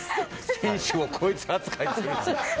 選手をこいつ扱い。